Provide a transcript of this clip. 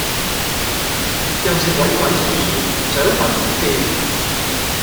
又是鬼鬼祟祟，想法子遮掩，